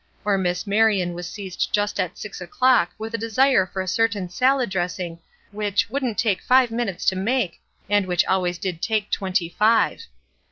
Or Miss Marian was seized just at six o'clock with a desire for a certain salad dressing which "wouldn't take five minutes to make " and which always did take twenty five.